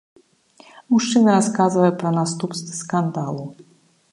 Мужчына расказвае пра наступствы скандалу.